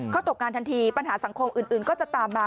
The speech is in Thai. เขาตกงานทันทีปัญหาสังคมอื่นก็จะตามมา